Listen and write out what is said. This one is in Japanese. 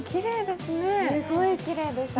すごいきれいでした。